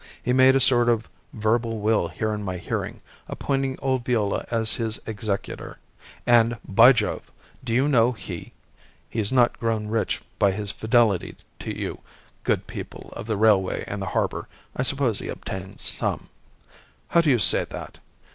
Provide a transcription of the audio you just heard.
He made a sort of verbal will here in my hearing, appointing old Viola his executor; and, by Jove! do you know, he he's not grown rich by his fidelity to you good people of the railway and the harbour. I suppose he obtains some how do you say that?